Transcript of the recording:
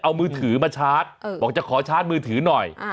เอามือถือมาชาร์จบอกจะขอชาร์จมือถือหน่อย